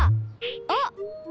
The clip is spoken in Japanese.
あっ！